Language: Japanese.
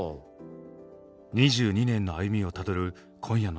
２２年の歩みをたどる今夜の「ＳＯＮＧＳ」。